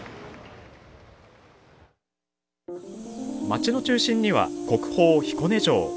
街の中心には国宝、彦根城。